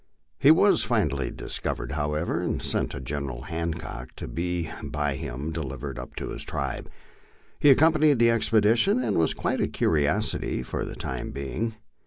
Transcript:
He was finally discovered, how ever, and sent to General Hancock, to be by him delivered up to his tribe. He accompanied the expedition, and was quite a curiosity for the time being.